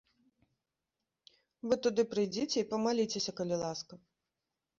Вы туды прыйдзіце і памаліцеся, калі ласка.